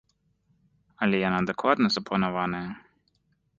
Але яна дакладна запланаваная.